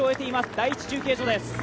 第１中継所です。